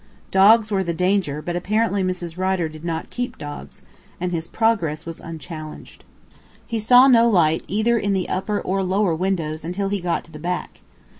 Dogs were the danger, but apparently Mrs. Rider did not keep dogs, and his progress was unchallenged. He saw no light either in the upper or lower windows until he got to the back.